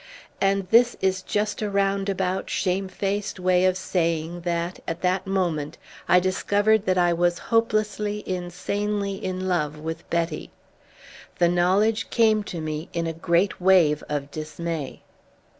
And this is just a roundabout, shame faced way of saying that, at that moment, I discovered that I was hopelessly, insanely in love with Betty. The knowledge came to me in a great wave of dismay.